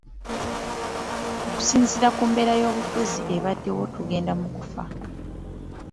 Okusinziira ku mbeera y’ebyobufuzi ebaddewo tugenda mu kufa.